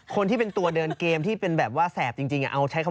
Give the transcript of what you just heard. คนที่เป็นตัวเดินเกมที่แสบจริง